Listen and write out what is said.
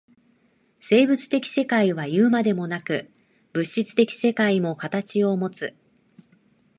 生物的世界はいうまでもなく、物質的世界も形をもつ。